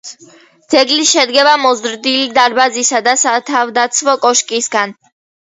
ძეგლი შედგება მოზრდილი დარბაზისა და სათავდაცვო კოშკისაგან.